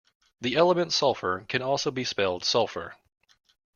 The element sulfur can also be spelled sulphur